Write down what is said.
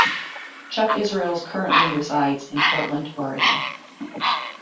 Chuck Israels currently resides in Portland, Oregon.